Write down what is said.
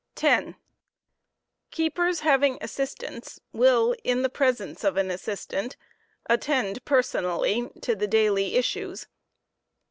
10, Keepers having assistants will, in the presence of an assistant, attend person j^^itw* ally to_the daily, issues.